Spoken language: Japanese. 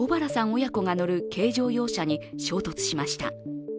親子が乗る軽乗用車に衝突しました。